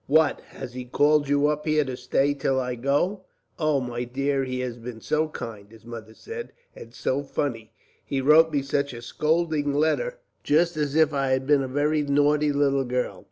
What, has he called you up here to stay till I go?" "Oh, my dear, he has been so kind," his mother said; "and so funny! He wrote me such a scolding letter, just as if I had been a very naughty little girl.